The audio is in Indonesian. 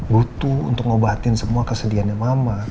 butuh untuk ngobatin semua kesedihannya mama